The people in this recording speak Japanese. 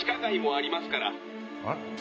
あっ？